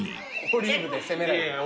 オリーブで攻めないで。